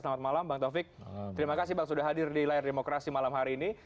selamat malam bang taufik terima kasih bang sudah hadir di layar demokrasi malam hari ini